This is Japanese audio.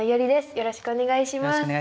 よろしくお願いします。